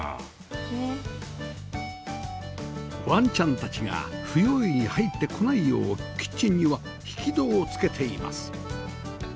ワンちゃんたちが不用意に入ってこないようキッチンには引き戸を付けています